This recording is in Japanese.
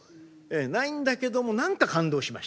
ないんだけども何か感動しました。